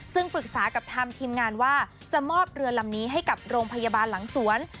ซึ่งปรึกษากับทางทีมงานว่าจะมอบเรือลำนี้ให้กับโรงพยาบาลหลังสวน